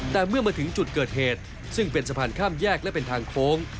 แต่เมื่อมาถึงจุดเกิดเหตุซึ่งเป็นสะพานข้ามแยกและเป็นทางโค้ง